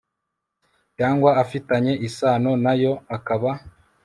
cyangwa afitanye isano nayo akaba